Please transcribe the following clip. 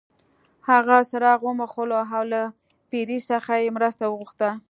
هغه څراغ وموښلو او له پیري څخه یې مرسته وغوښته.